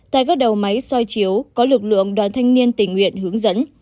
tại các đầu máy soi chiếu có lực lượng đoàn thanh niên tình nguyện hướng dẫn